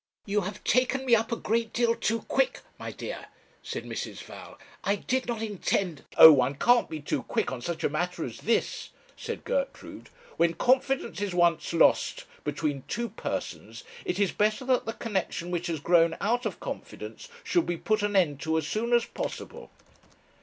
'You have taken me up a great deal too quick, my dear,' said Mrs. Val. 'I did not intend ' 'Oh one can't be too quick on such a matter as this,' said Gertrude. 'When confidence is once lost between two persons it is better that the connexion which has grown out of confidence should be put an end to as soon as possible.'